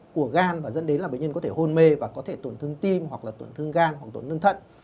của gan và dẫn đến là bệnh nhân có thể hôn mê và có thể tổn thương tim hoặc là tổn thương gan hoặc tổn thương thận